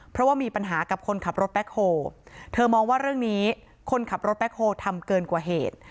เพราะว่ามีปัญหากับคนขับรถแบ็คโฮเธอมองว่าเรื่องนี้คนขับรถแบ็คโฮลทำเกินกว่าเหตุ